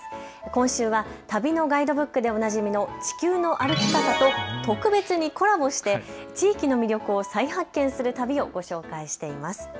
今週は旅のガイドブックでおなじみの地球の歩き方と特別にコラボして地域の魅力を再発見する旅をご紹介しています。